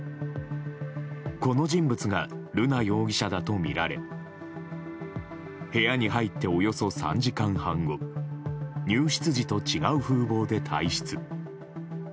この人物が瑠奈容疑者だとみられ部屋に入っておよそ３時間半後入室時と違う風貌で退出。